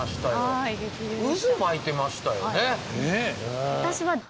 渦巻いてましたよね。